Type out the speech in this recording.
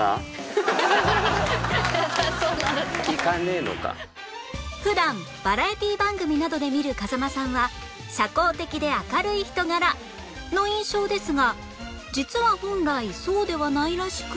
今夜は普段バラエティー番組などで見る風間さんは社交的で明るい人柄の印象ですが実は本来そうではないらしく